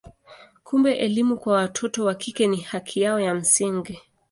Kumbe elimu kwa watoto wa kike ni haki yao ya msingi.